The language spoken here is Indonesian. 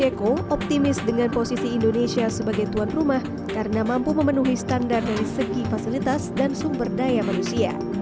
eko optimis dengan posisi indonesia sebagai tuan rumah karena mampu memenuhi standar dari segi fasilitas dan sumber daya manusia